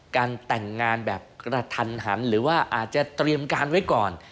การแต่งงานแบบกระทันหันหรือว่าอาจจะเตรียมการไว้ก่อน